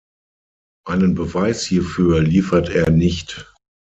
Einen Beweis hierfür liefert er nicht.